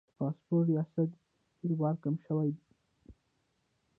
د پاسپورت ریاست بیروبار کم شوی؟